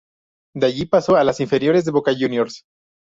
De allí pasó a las inferiores de Boca Juniors.